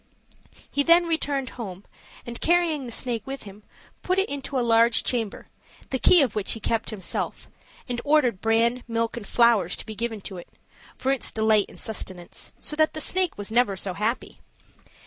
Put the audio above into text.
He then returned home, and carrying the snake with him, put it into a large chamber, the key of which he kept himself, and ordered bran, milk, and flowers to be given to it, for its delight and sustenance; so that never was snake so happy.